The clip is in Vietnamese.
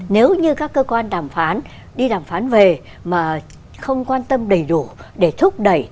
nếu như các cơ quan đàm phán đi đàm phán về mà không quan tâm đầy đủ để thúc đẩy